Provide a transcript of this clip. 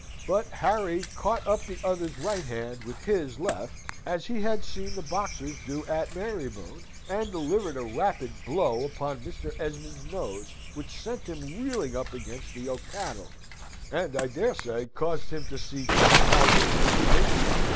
But Harry caught up the other's right hand with his left, as he had seen the boxers do at Marybone; and delivered a rapid blow upon Mr. Esmond's nose, which sent him reeling up against the oak panels, and I dare say caused him to see ten thousand illuminations.